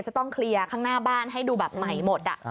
จะต้องเคลียร์ข้างหน้าบ้านให้ดูแบบใหม่หมด